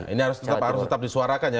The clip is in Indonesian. ini harus tetap disuarakan ya